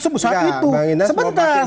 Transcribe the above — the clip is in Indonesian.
sebesar itu sebentar